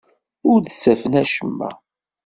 Ur d-ttafen acemma.